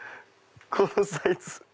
このサイズ！